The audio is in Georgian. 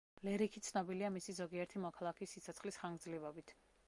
ლერიქი ცნობილია მისი ზოგიერთი მოქალაქის სიცოცხლის ხანგრძლივობით.